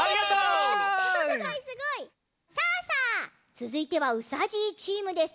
つづいてはうさじいチームです。